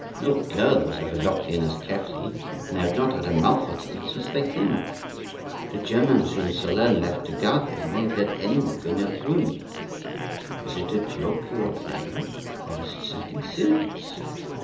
No girl was ever locked in as carefully, and they have not had a mouthful to eat since they came. The Germans whom Solern left to guard them won't let any one go near the room. Is it a joke you are playing; or is it something serious?"